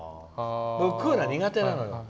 僕、クーラー苦手なのよ。